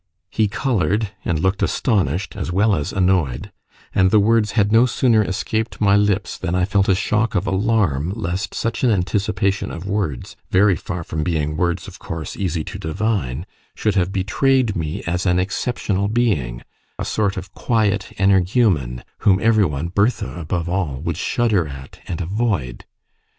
He coloured and looked astonished, as well as annoyed; and the words had no sooner escaped my lips than I felt a shock of alarm lest such an anticipation of words very far from being words of course, easy to divine should have betrayed me as an exceptional being, a sort of quiet energumen, whom every one, Bertha above all, would shudder at and avoid.